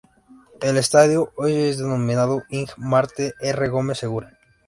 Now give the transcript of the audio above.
El estadio hoy es denominado Ing. Marte R. Gómez Segura.